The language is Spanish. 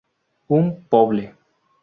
Un Poble".